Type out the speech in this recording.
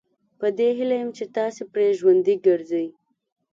په دې هیله یم چې تاسي پرې ژوندي ګرځئ.